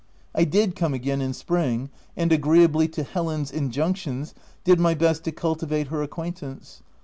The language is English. I did come again in spring, and agreeably _to Helen's injunctions, did my best to cultivate her acquaintance.